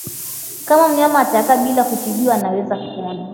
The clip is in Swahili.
Kama mnyama atakaa bila kutibiwa anaweza kupona